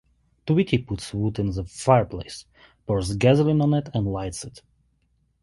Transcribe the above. Tweety puts wood in the fireplace, pours gasoline on it and lights it.